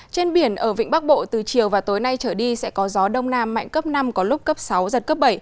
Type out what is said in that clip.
trên biển ở vịnh bắc bộ từ chiều và tối nay trở đi sẽ có gió đông nam mạnh cấp năm có lúc cấp sáu giật cấp bảy